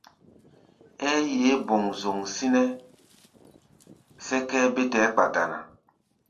Ɛ́ɛ́ yeé boŋzoŋ sínɛ́ sɛ́kʼɛ́ɛ́ bé tɛɛ́ kpa dana.